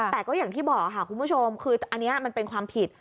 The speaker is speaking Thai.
แต่ก็อย่างที่บอกค่ะคุณผู้ชมคืออันนี้มันเป็นความผิด